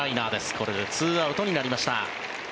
これで２アウトになりました。